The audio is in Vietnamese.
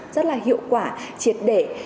rất là hiệu quả triệt để